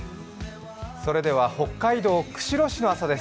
それでは北海道釧路市の朝です。